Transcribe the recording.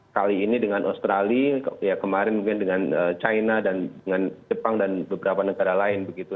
kali ini dengan australia kemarin mungkin dengan china dan dengan jepang dan beberapa negara lain begitu